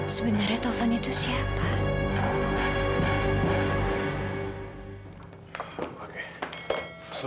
sebenarnya taufan itu siapa